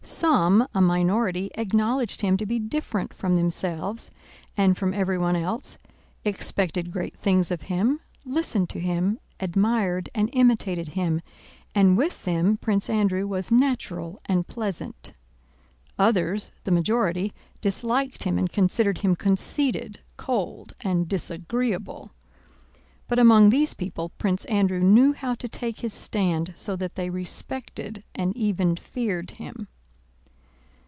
Some, a minority, acknowledged him to be different from themselves and from everyone else, expected great things of him, listened to him, admired, and imitated him, and with them Prince Andrew was natural and pleasant. Others, the majority, disliked him and considered him conceited, cold, and disagreeable. But among these people Prince Andrew knew how to take his stand so that they respected and even feared him.